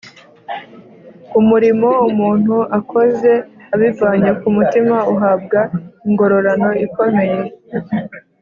umurimo umuntu akoze abivanye ku mutima uhabwa ingororano ikomeye